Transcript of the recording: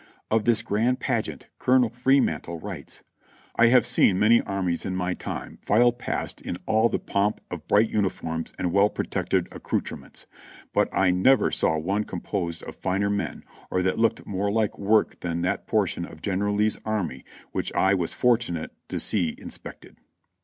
Of this grand pageant Colonel Freemantle writes : "I have seen many armies in my time file past in all the pomp of bright uniforms and well protected accoutrements, but I never saw one composed of finer men or that looked more like work than that portion of General Lee's army which I was fortunate tc see inspected."